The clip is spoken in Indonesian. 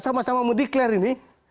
sama sama mendeklarasi ini